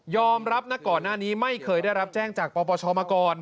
รับนะก่อนหน้านี้ไม่เคยได้รับแจ้งจากปปชมาก่อน